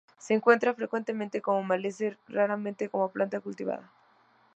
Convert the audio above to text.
Se encuentra frecuentemente como maleza y raramente como planta cultivada.